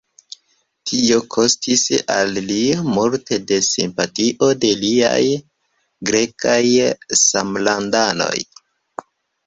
Tio kostis al li multe de simpatio de liaj grekaj samlandanoj.